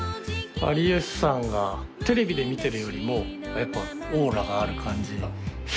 有吉さんがテレビで見てるよりもやっぱオーラがある感じ。